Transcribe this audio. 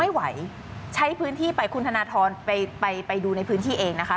ไหวใช้พื้นที่ไปคุณธนทรไปไปดูในพื้นที่เองนะคะ